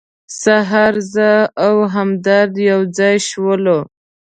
سهار زه او همدرد یو ځای شولو.